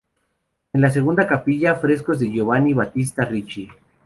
En la segunda capilla, frescos de Giovanni Battista Ricci.